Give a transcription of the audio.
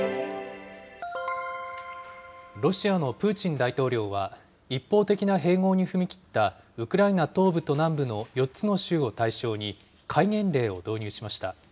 ロシアのプーチン大統領は、一方的な併合に踏み切ったウクライナ東部と南部の４つの州を対象に、戒厳令を導入しました。